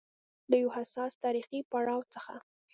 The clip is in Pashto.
له يو حساس تاریخي پړاو څخه